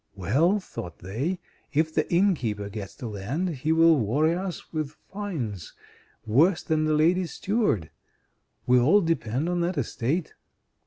"Well," thought they, "if the innkeeper gets the land he will worry us with fines worse than the lady's steward. We all depend on that estate."